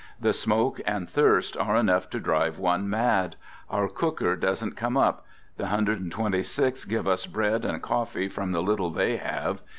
The smoke and thirst are enough to drive one mad. Our cooker doesn't come up. The 126th give us bread and coffee from the little they have.